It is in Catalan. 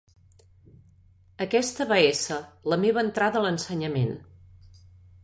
Aquesta va ésser la meva entrada a l'ensenyament.